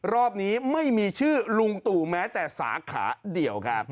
รอบนี้ไม่มีชื่อลุงตู่แม้แต่สาขาเดียวครับ